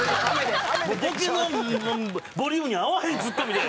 ボケのボリュームに合わへんツッコミで。